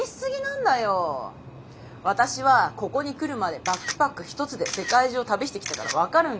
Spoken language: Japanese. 私はここに来るまでバックパック１つで世界中を旅してきたから分かるんだ。